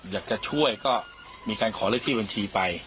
อยากจะช่วยก็มีการขอเลขที่บัญชีไป